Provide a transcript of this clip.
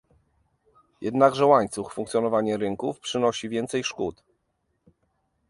Jednakże łańcuch, funkcjonowanie rynków przynosi więcej szkód